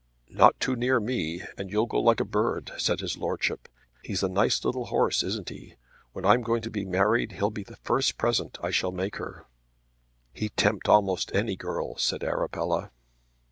"Not too near me, and you'll go like a bird," said his lordship. "He's a nice little horse, isn't he? When I'm going to be married, he'll be the first present I shall make her." "He'd tempt almost any girl," said Arabella.